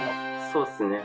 そうっすね。